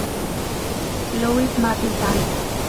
Luis Martín Santos, prof.